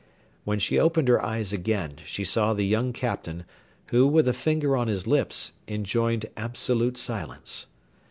When she opened her eyes again, she saw the young Captain, who, with a finger on his lips, enjoined absolute silence.